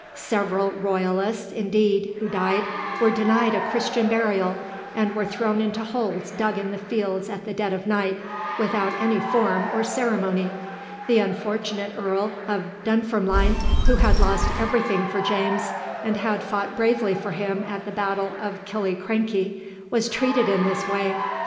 Several Royalists, indeed, who died, were denied a Christian burial, and were thrown into holes dug in the fields at the dead of night, without any form or ceremony. The unfortunate Earl of Dunfermline, who had lost every thing for James, and had fought bravely for him at the battle of Killiecrankie, was treated in this way.